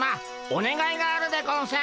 おねがいがあるでゴンス。